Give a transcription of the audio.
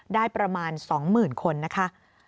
ได้ประมาณ๒หมื่นคนนะคะ